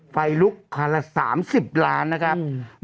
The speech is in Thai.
ไฟลุกคันละสามสิบล้านนะครับอืม